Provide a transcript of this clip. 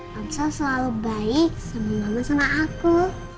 pamsal selalu baik sama mama sama aku